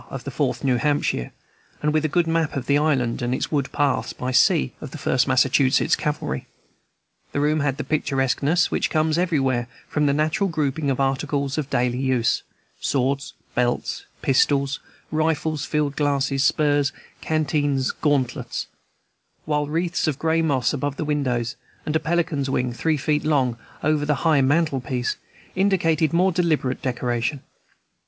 of the Fourth New Hampshire, and with a good map of the island and its wood paths by C. of the First Massachusetts Cavalry. The room had the picturesqueness which comes everywhere from the natural grouping of articles of daily use, swords, belts, pistols, rifles, field glasses, spurs, canteens, gauntlets, while wreaths of gray moss above the windows, and a pelican's wing three feet long over the high mantel piece, indicated more deliberate decoration.